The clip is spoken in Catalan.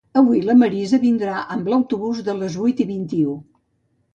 Avui la Marisa vindrà amb l'autobús de les vuit i vint-i-u